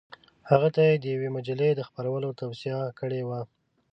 هغه ته یې د یوې مجلې د خپرولو توصیه کړې وه.